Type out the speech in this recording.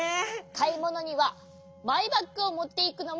かいものにはマイバッグをもっていくのもだいじよ。